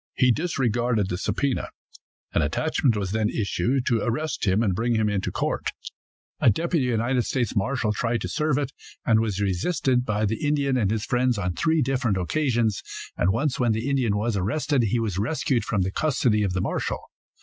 He disregarded the subpoena. An attachment was then issued to arrest him and bring him into court. A deputy United States marshal tried to serve it, and was resisted by the Indian and his friends on three different occasions, and once when the Indian was arrested he was rescued from the custody of the marshal.